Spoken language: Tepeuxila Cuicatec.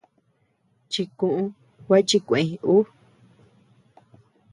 Chikuʼu gua chikueñ ú c.